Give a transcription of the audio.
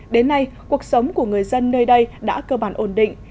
đến nay cuộc sống của người dân nơi đây đã cơ bản ổn định